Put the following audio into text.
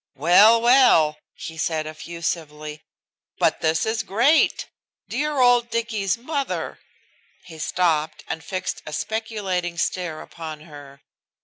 "Well! Well!" he said effusively. "But this is great. Dear old Dicky's mother!" He stopped and fixed a speculating stare upon her.